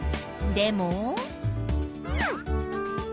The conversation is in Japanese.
でも？